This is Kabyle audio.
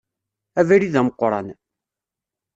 Abrid ameqqran.